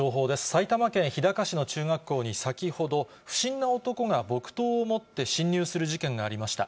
埼玉県日高市の中学校に先ほど、不審な男が木刀を持って、侵入する事件がありました。